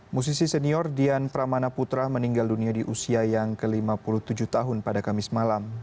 musisi senior dian pramana putra meninggal dunia di usia yang ke lima puluh tujuh tahun pada kamis malam